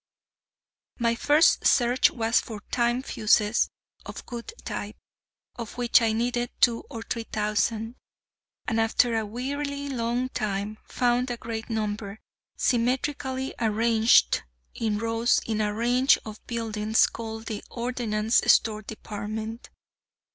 My first search was for time fuses of good type, of which I needed two or three thousand, and after a wearily long time found a great number symmetrically arranged in rows in a range of buildings called the Ordnance Store Department.